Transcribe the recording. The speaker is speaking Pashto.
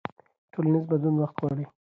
ټولنیز بدلون وخت غواړي.